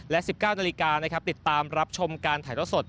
และ๑๙นาฬิกาติดตามรับชมการถ่ายรถสด